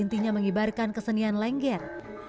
tentunya mengibarkan kesenian lengger